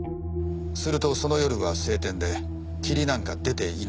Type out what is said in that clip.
するとその夜は晴天で霧なんか出ていなかった。